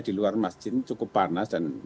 di luar masjid cukup panas dan